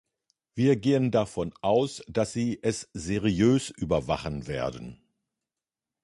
Wir gehen davon aus, dass Sie es seriös überwachen werden.